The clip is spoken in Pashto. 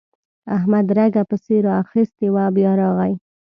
احمد رګه پسې راخيستې وه؛ بيا راغی.